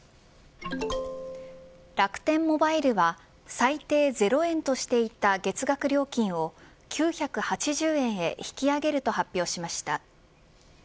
楽天モバイルは最低０円としていた月額料金を９８０円へ引き上げると発表しました。